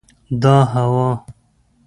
دا هوا